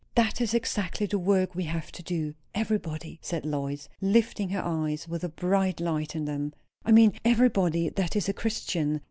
"That is exactly the work we have to do, everybody," said Lois, lifting her eyes with a bright light in them. "I mean, everybody that is a Christian.